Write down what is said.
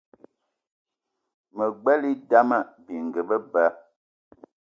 Me gbelé idam bininga be ba.